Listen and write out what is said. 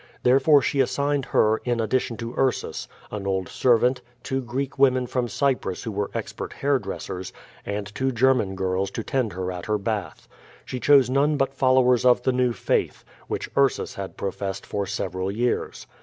Therefore, she assigned her, in addition to Ursus, an old servant, two Greek women from Cyprus who were expert hair dressers, and two German girls to tend her at her bath. She chose none but followers of the new faith, which Ursus had professed for several years.